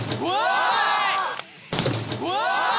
うわ！